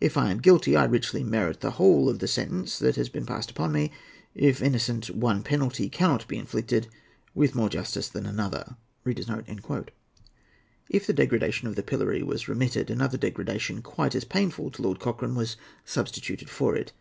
If I am guilty, I richly merit the whole of the sentence that has been passed upon me. If innocent, one penalty cannot be inflicted with more justice than another." If the degradation of the pillory was remitted, another degradation quite as painful to Lord Cochrane was substituted for it.